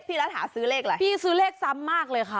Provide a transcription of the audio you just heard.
พี่ซื้อเลขซ้ำมากเลยค่ะ